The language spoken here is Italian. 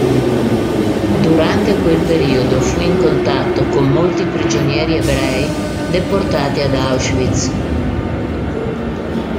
Durante quel periodo, fu in contatto con molti prigionieri ebrei deportati ad Auschwitz.